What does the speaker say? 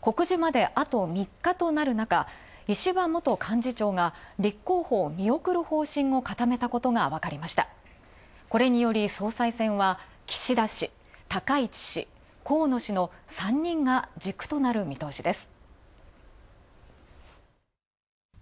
告示まであと３日となるなか、石破元幹事長が立候補を見送ると固めたことがこれにより岸田氏、高市氏、河野氏が軸となる見通しです。